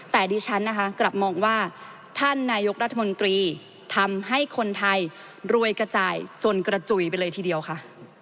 แต่ดิฉันนะคะกลับมองว่าท่านนายกรัฐมนตรีทำให้คนไทยรวยกระจ่ายจนกระจุยไปเลยทีเดียวค่ะ